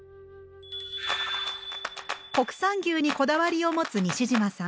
国産牛にこだわりを持つ西島さん。